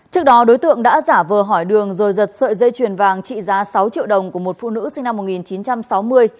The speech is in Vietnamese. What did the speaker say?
trước đó đối tượng đã giả vờ hỏi đường rồi giật sợi dây chuyền vàng trị giá sáu triệu đồng của một phụ nữ sinh năm một nghìn chín trăm sáu mươi